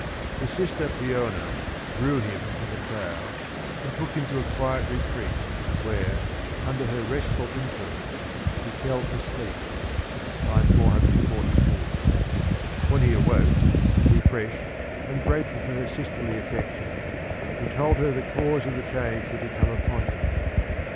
His sister Peona drew him from the crowd and took him to a quiet retreat, where, under her restful influence, he fell asleep (442). When he awoke, refreshed and grateful for her sisterly affection, he told her the cause of the change that had come upon him.